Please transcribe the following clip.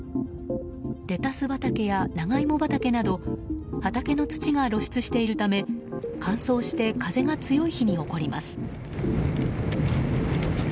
レタス畑や長イモ畑など畑の土が露出しているため乾燥して風が強い日に起こります。